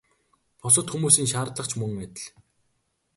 Бусад хүмүүсийн шаардлага ч мөн адил.